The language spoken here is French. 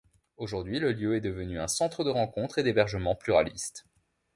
Aujourd’hui, le lieu est devenu un Centre de Rencontres et d'Hébergement pluraliste.